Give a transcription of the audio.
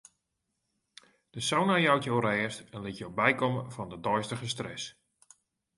De sauna jout jo rêst en lit jo bykomme fan de deistige stress.